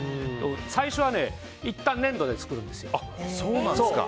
最初はいったん粘土で作るんですよ。